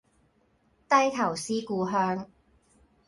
低頭思故鄉